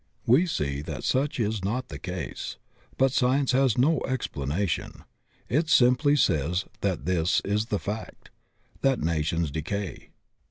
We see that such is not the case, but science has no explanation; it simply says that this is the fact, that nations decay.